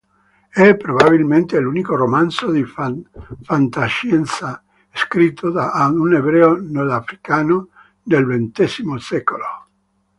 È probabilmente l'unico romanzo di fantascienza scritto da un ebreo nordafricano nel ventesimo secolo.